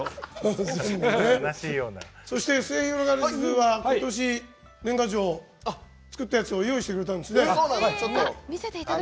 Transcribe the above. そして、すゑひろがりずはことし年賀状、作ったやつを用意してくれたんですね。